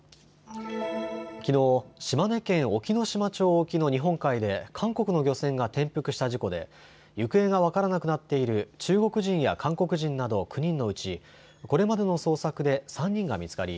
きのう、島根県隠岐の島町沖の日本海で韓国の漁船が転覆した事故で行方が分からなくなっている中国人や韓国人など９人のうちこれまでの捜索で３人が見つかり